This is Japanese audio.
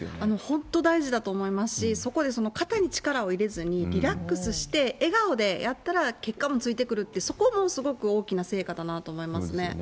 本当大事だと思いますし、そこで肩に力を入れずに、リラックスして、笑顔でやったら結果もついてくるって、そこもすごく大きな成果だなと思いますね。